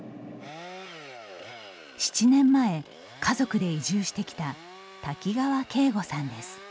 ７年前、家族で移住してきた滝川景伍さんです。